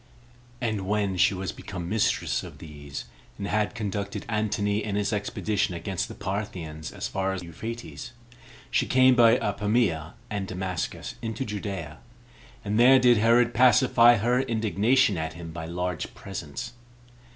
And when she was become mistress of these, and had conducted Antony in his expedition against the Parthians as far as Euphrates, she came by Apamia and Damascus into Judea and there did Herod pacify her indignation at him by large presents.